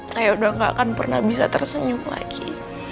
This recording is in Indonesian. saya udah gak akan pernah bisa tersenyum lagi